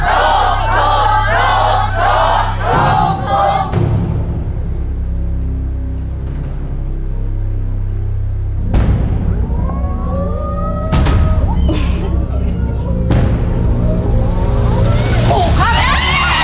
โอ้ขอบครับ